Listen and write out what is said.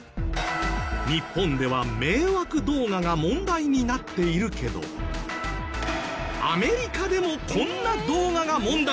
日本では迷惑動画が問題になっているけどアメリカでもこんな動画が問題に。